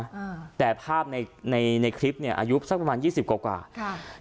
อืมแต่ภาพในในคลิปเนี้ยอายุสักประมาณยี่สิบกว่ากว่าค่ะ